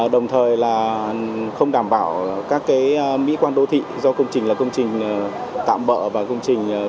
đồng thời là không đảm bảo các cái mỹ quan đô thị do công trình là công trình tạm bỡ và công trình đối phó